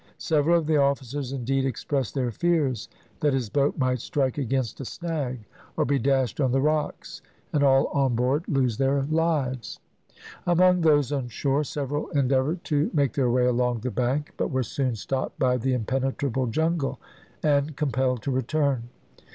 Several of the officers indeed expressed their fears that his boat might strike against a snag, or be dashed on the rocks, and all on board lose their lives. Among those on shore several endeavoured to make their way along the bank, but were soon stopped by the impenetrable jungle, and compelled to return.